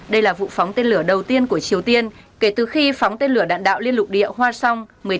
đây là vụ phóng tên lửa đầu tiên của triều tiên kể từ khi phóng tên lửa đạn đạo liên lục địa hoa song một mươi một